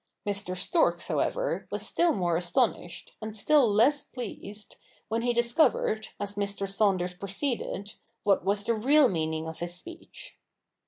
Mr. Storks, however, was still more astonished, and still less pleased, when he discovered, as Mr. Saunders proceeded, what was the real meaning of his speech.